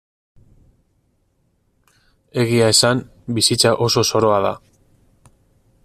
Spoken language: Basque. Egia esan, bizitza oso zoroa da.